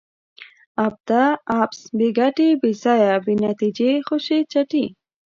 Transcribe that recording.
ابته ؛ عبث، بې ګټي، بې ځایه ، بې نتیجې، خوشي چټي